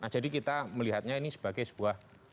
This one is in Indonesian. jadi kita melihatnya ini sebagai sebuah